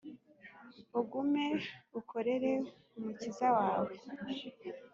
ugume ukorere umukiza wawe